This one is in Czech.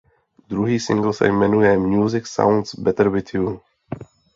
Druhý singl se jmenuje "Music Sounds Better With You".